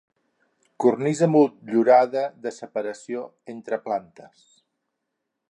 Cornisa motllurada de separació entre plantes.